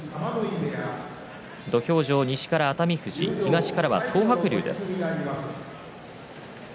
土俵上、西から熱海富士東から東白龍です。